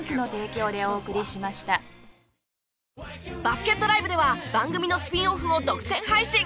バスケットＬＩＶＥでは番組のスピンオフを独占配信。